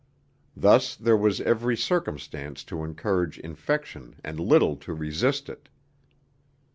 Thus there was every circumstance to encourage infection and little to resist it.